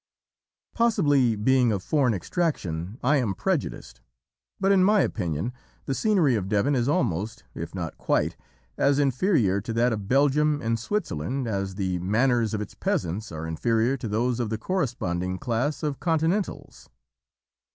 "Possibly, being of foreign extraction, I am prejudiced, but in my opinion the scenery of Devon is almost, if not quite, as inferior to that of Belgium and Switzerland as the manners of its peasants are inferior to those of the corresponding class of Continentals.